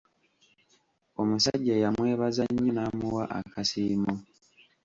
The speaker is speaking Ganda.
Omusajja yamwebaza nnyo n'amuwa akasiimo.